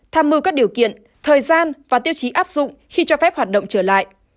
tham mưu các điều kiện thời gian và tiêu chí áp dụng khi cho phép hoạt động trở lại